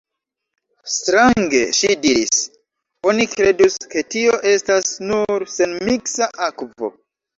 Strange, ŝi diris: oni kredus, ke tio estas nur senmiksa akvo.